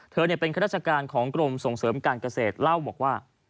เธอเป็นข้าราชการของกรมส่งเสริมการเกษตรเล่าบอกว่า